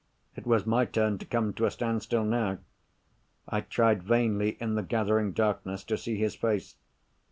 It was my turn to come to a standstill now. I tried vainly, in the gathering darkness, to see his face.